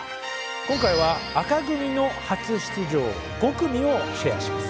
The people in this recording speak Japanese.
今回は紅組の初出場５組をシェアします。